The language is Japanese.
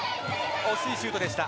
惜しいシュートでした。